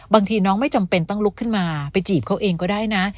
บางทีน้องไม่จำเป็นต้องลุกขึ้นมาไปจีบเขาเองก็ได้นะ